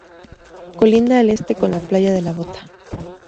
Colinda al este con la Playa de La Bota.